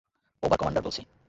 Over commander বলছি।